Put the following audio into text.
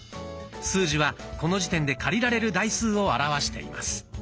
数字はこの時点で借りられる台数を表しています。